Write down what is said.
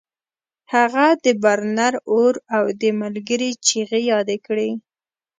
هغه د برنر اور او د ملګري چیغې یادې کړې